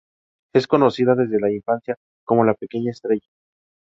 Es conocido desde la infancia como la "pequeña estrella".